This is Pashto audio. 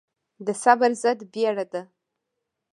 د صبر ضد بيړه ده.